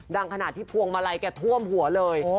ดังขนาดที่พวงมาลัยแกท่วมหัวเลย